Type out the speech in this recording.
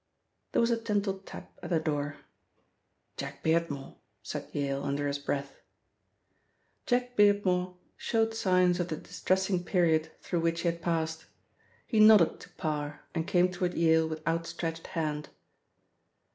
There was a gentle tap at the door. "Jack Beardmore," said Yale under his breath. Jack Beardmore showed signs of the distressing period through which he had passed. He nodded to Parr and came toward Yale with outstretched hand.